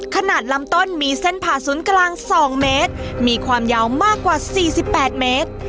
ขนาดลำต้นมีเส้นผ่าศูนย์กลาง๒เมตรมีความยาวมากกว่า๔๘เมตร